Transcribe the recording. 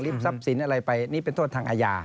ทรัพย์สินอะไรไปนี่เป็นโทษทางอาญา